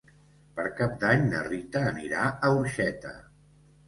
Per Cap d'Any na Rita anirà a Orxeta.